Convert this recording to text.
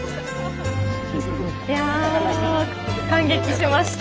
いや感激しました。